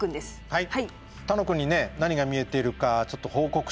はい。